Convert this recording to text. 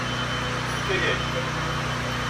Tefka-yak-t.